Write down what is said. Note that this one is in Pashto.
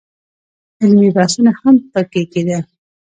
علمي بحثونه هم په کې کېدل.